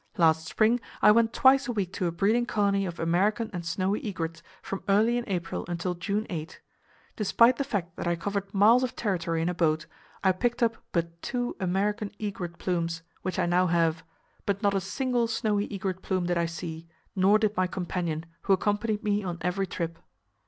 Last spring, I went twice a week to a breeding colony of American and snowy egrets, from early in April until June 8. Despite the fact that I covered miles of territory in a boat, I picked up but two American egret plumes (which I now have); but not a single snowy egret plume did I see, nor did my companion, who accompanied me on every trip.